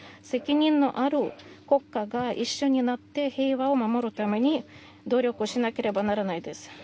責任のある国家が一緒になって平和を守るために努力しなければならないです。